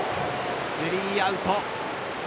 スリーアウト。